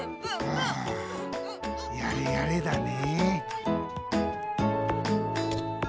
あやれやれだね。